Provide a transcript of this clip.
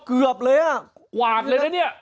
เกือบเลยอ่ะกวาดเลยนะเนี่ย